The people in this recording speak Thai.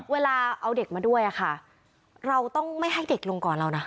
เวลาเอาเด็กมาด้วยค่ะเราต้องไม่ให้เด็กลงก่อนเรานะ